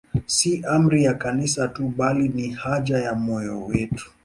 Si amri ya Kanisa tu, bali ni haja ya moyo wetu.